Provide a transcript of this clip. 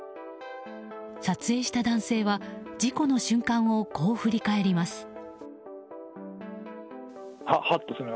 撮影した男性は事故の瞬間をこう振り返ります。